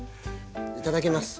いただきます。